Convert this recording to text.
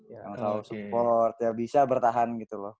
yang selalu support ya bisa bertahan gitu loh